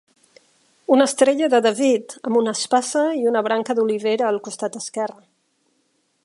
Una estrella de David, amb una espasa i una branca d'olivera al costat esquerre.